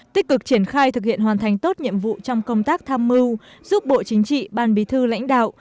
tích cực triển khai thực hiện hoàn thành tốt nhiệm vụ trong công tác tham mưu giúp bộ chính trị ban bí thư lãnh đạo